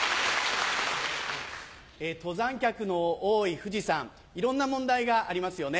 登山客の多い富士山いろんな問題がありますよね。